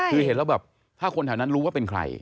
คือเห็นแล้วแบบถ้าคนแถวนั้นรู้ว่าเป็นใคร